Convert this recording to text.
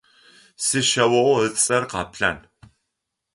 Сишъэогъу ыцӏэр Къэплъан.